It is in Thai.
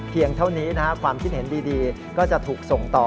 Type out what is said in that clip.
เท่านี้ความคิดเห็นดีก็จะถูกส่งต่อ